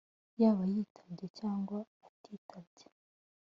yaba yitabye cyangwa atitabye